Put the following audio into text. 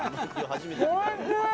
おいしい！